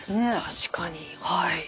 確かにはい。